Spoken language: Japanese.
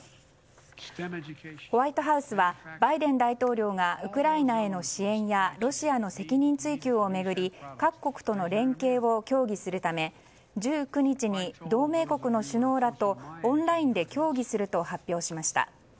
ホワイトハウスはバイデン大統領がウクライナへの支援やロシアの責任追及を巡り各国との連携を協議するため１９日に同盟国の首脳らとオンラインで協議すると発表しました。